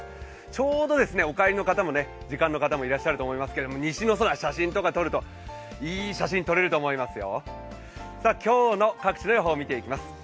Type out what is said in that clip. ちょうどお帰りの時間の方もいらっしゃると思いますけれども、西の空、写真とか撮るといい写真撮れると思いますよ。